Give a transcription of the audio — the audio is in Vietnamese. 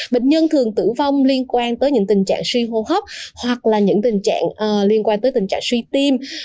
bệnh nhân thường tử vong liên quan tới những tình trạng suy hô hấp hoặc là những tình trạng liên quan tới tình trạng suy tim